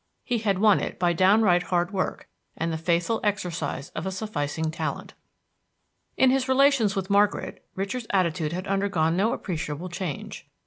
He had won it by downright hard work and the faithful exercise of a sufficing talent. In his relations with Margaret, Richard's attitude had undergone no appreciable change.